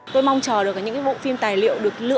tôi mong chờ được những bộ phim tài liệu được lựa